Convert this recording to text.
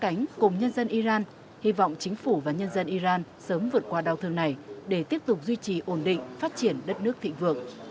cánh cùng nhân dân iran hy vọng chính phủ và nhân dân iran sớm vượt qua đau thương này để tiếp tục duy trì ổn định phát triển đất nước thịnh vượng